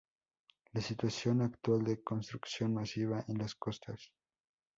la situación actual de construcción masiva en las costas